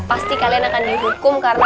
pasti kalian akan dihukum karena